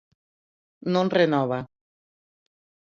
Non renova.